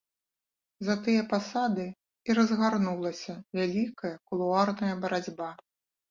За тыя пасады і разгарнулася вялікая кулуарная барацьба.